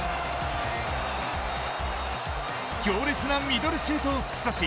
強烈なミドルシュートを突き刺し